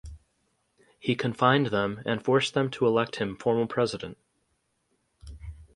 He confined them and forced them to elect him formal president.